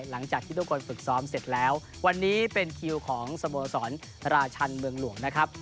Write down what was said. หลังจากที่ทุกคนฝึกซ้อมเสร็จแล้ววันนี้เป็นคิวของสโมสรราชันเมืองหลวงนะครับ